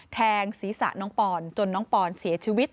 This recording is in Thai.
แทงศีรษะน้องปอนจนน้องปอนเสียชีวิต